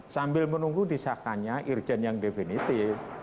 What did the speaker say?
sambil menunggu disahkannya irjen yang definitif